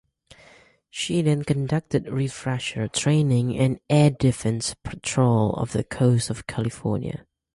She then conducted refresher training and air defense patrol off the coast of California.